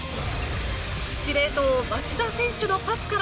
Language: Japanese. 司令塔・町田選手のパスから。